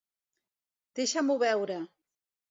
Deixa-m'ho veure!